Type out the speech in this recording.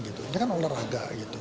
ini kan olahraga